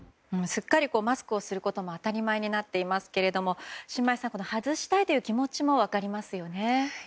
すっかりマスクをすることが当たり前になっていますけれど申真衣さん外したいという気持ちも分かりますよね？